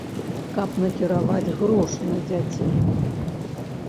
Каб накіраваць грошы на дзяцей.